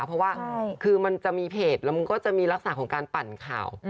เพราะว่าคือมันจะมีเพจแล้วมันก็จะมีลักษณะของการปั่นข่าว